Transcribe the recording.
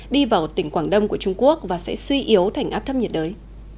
đi vào tỉnh quảng đông của trung quốc và sẽ suy yếu thành áp thấp nhiệt đới